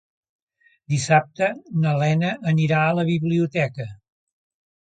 Dissabte na Lena anirà a la biblioteca.